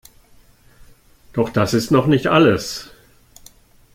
Doch das ist noch nicht alles.